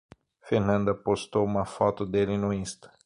Fernanda postou uma foto dele no Insta